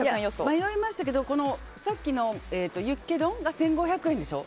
迷いましたけど、さっきのユッケ丼が１５００円でしょ。